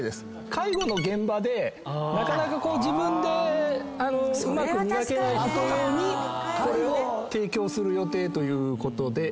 介護の現場でなかなか自分でうまく磨けない人用にこれを提供する予定ということで。